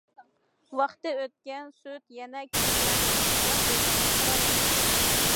ۋاقتى ئۆتكەن سۈت يەنە كىيىملەردىكى سىياھ دېغىنى چىقىرالايدۇ.